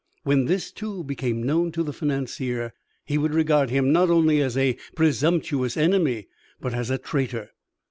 When this, too, became known to the financier, he would regard him not only as a presumptuous enemy, but as a traitor.